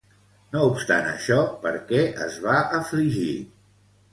No obstant això, per què es va afligir?